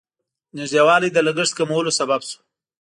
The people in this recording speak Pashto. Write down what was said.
نږدېوالی د لګښت کمولو سبب شو.